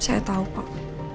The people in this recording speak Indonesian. saya tau pak